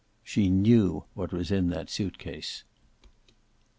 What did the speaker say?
She knew what was in that suitcase.